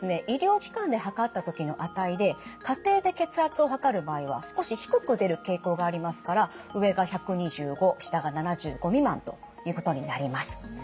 医療機関で測った時の値で家庭で血圧を測る場合は少し低く出る傾向がありますから上が１２５下が７５未満ということになります。